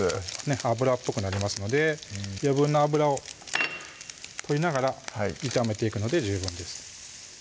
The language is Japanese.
油っぽくなりますので余分な油を取りながら炒めていくので十分です